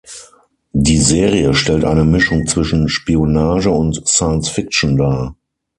Die Serie stellt eine Mischung zwischen Spionage und Science Fiction dar.